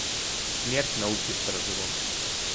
Смерть науки старожилам!